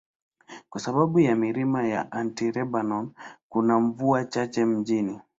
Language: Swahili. Kwa sababu ya milima ya Anti-Lebanon, kuna mvua chache mjini.